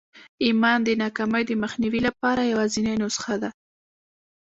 ایمان د ناکامۍ د مخنیوي لپاره یوازېنۍ نسخه ده